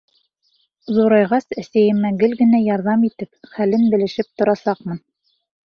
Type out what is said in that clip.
Ҙурайғас, әсәйемә гел генә ярҙам итеп, хәлен белешеп торасаҡмын.